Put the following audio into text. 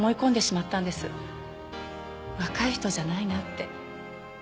若い人じゃないなって。